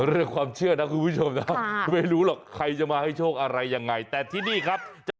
เรื่องความเชื่อนะคุณผู้ชมนะไม่รู้หรอกใครจะมาให้โชคอะไรยังไงแต่ที่นี่ครับจะ